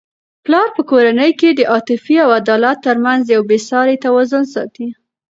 پلار په کورنی کي د عاطفې او عدالت ترمنځ یو بې سارې توازن ساتي.